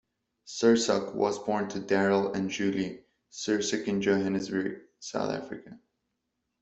Sursok was born to Daryl and Julie Sursok in Johannesburg, South Africa.